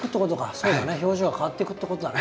そうだね表情が変わっていくってことだね。